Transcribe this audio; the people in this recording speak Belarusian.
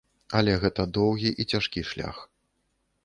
Але гэта доўгі і цяжкі шлях.